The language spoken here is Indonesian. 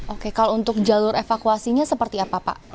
oke kalau untuk jalur evakuasinya seperti apa pak